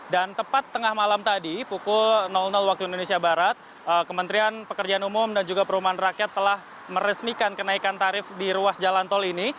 dan tepat tengah malam tadi pukul waktu indonesia barat kementerian pekerjaan umum dan juga perumahan rakyat telah meresmikan kenaikan tarif di ruas jalan tol ini